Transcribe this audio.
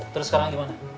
terus sekarang gimana